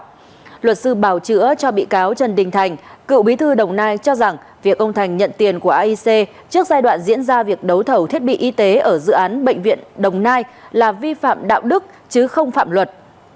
trong luật sư bảo chữa cho bị cáo trần đình thành cựu bí thư đồng nai cho rằng việc ông thành nhận tiền của aic trước giai đoạn diễn ra việc đấu thầu thiết bị y tế ở dự án bệnh viện đồng nai là vi phạm đạo đức chứ không phạm luật